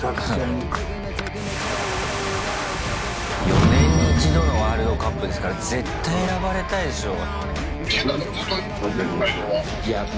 ４年に一度のワールドカップですから絶対選ばれたいでしょう。